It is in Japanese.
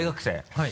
はい。